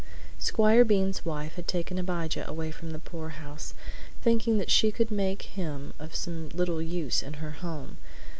Squire Bean's wife had taken Abijah away from the poorhouse, thinking that she could make him of some little use in her home.